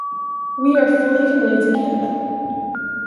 We are fully committed to Canada.